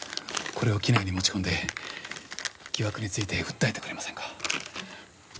これを機内に持ち込んで疑惑について訴えてくれませんか？